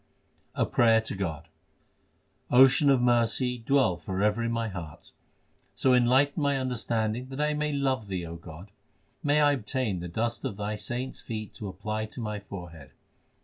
HYMNS OF GURU ARJAN 383 A prayer to God : Ocean of mercy, dwell for ever in my heart ; So enlighten my understanding that I may love Thee, O God. May I obtain the dust of Thy saints feet to apply to my forehead